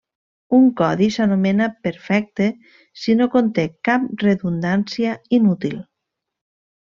Un codi s'anomena perfecte si no conté cap redundància inútil.